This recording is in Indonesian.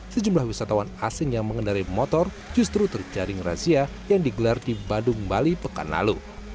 sejumlah wisatawan asing yang mengendari motor justru terjaring razia yang digelar di badung bali pekan lalu